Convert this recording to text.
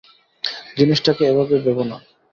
জিনিসটাকে এভাবে ভেবো না।